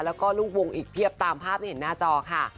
แล้วก็ลูกวงอีกเพียบตามภาพที่เห็นหน้าจอค่ะ